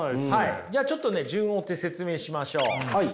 ちょっとね順を追って説明しましょう。